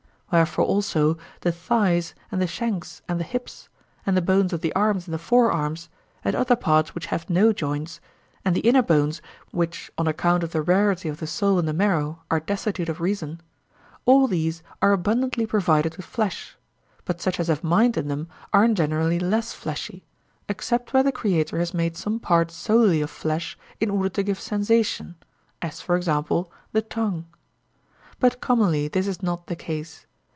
Wherefore also the thighs and the shanks and the hips, and the bones of the arms and the forearms, and other parts which have no joints, and the inner bones, which on account of the rarity of the soul in the marrow are destitute of reason—all these are abundantly provided with flesh; but such as have mind in them are in general less fleshy, except where the creator has made some part solely of flesh in order to give sensation,—as, for example, the tongue. But commonly this is not the case.